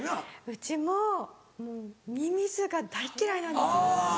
うちもミミズが大嫌いなんですよ。